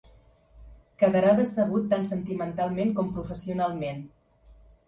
Quedarà decebut tant sentimentalment com professionalment.